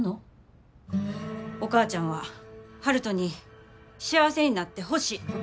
お母ちゃんは悠人に幸せになってほしい。